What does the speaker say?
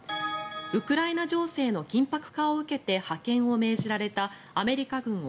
ウクライナ情勢の緊迫化を受けて派遣を命じられたアメリカ軍